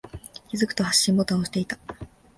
気づくと、発信ボタンを押していた。